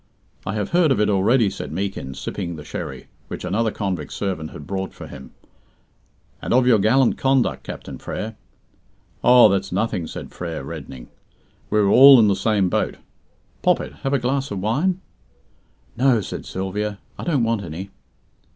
"I have heard of it already," said Meekin, sipping the sherry, which another convict servant had brought for him; "and of your gallant conduct, Captain Frere." "Oh, that's nothing," said Frere, reddening. "We were all in the same boat. Poppet, have a glass of wine?" "No," said Sylvia, "I don't want any."